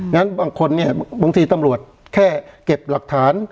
งั้นบางคนเนี่ยบางทีตำรวจแค่เก็บหลักฐาน